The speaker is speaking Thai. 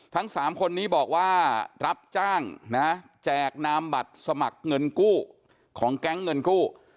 ทั้ง๓คนนี้บอกว่ารับจ้างนะแจกนามบัตรสมัครเงินกู้ของแก๊งเงินกู้